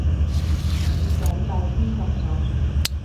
想拜師學藝